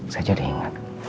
saya jadi ingat